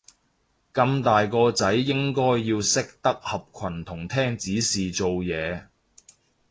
咁大個仔應該要識得合群同聽指示做嘢